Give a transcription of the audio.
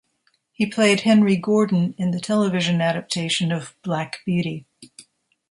He played Henry Gordon in the television adaptation of "Black Beauty".